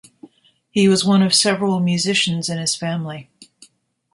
He was one of several musicians in his family.